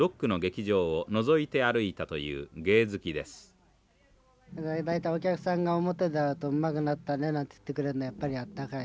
来ていただいたお客さんが表出たあとうまくなったねなんて言ってくれんのはやっぱりあったかい。